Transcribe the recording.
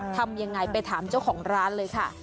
ทำยังไงไปถามเจ้าของร้านเลยค่ะ